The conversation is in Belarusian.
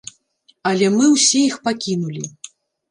Але мы ўсе іх пакінулі.